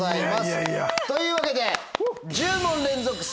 いやいや。というわけで。